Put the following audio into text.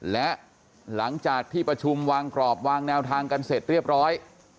และหลังจากที่ประชุมวางกรอบวางแนวทางกันเสร็จเรียบร้อย